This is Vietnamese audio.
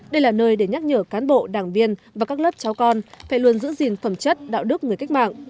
đây là nơi để nhắc nhở cán bộ đảng viên và các lớp cháu con phải luôn giữ gìn phẩm chất đạo đức người cách mạng